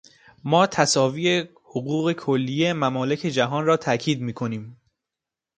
ما تساوی حقوق کلیهٔ ممالک جهان را تأکید میکنیم.